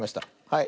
はい。